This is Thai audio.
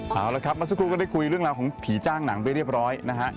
เอาละครับมาสักครู่ก็ได้คุยเรื่องราวของผีจ้างหนังไปเรียบร้อยนะฮะ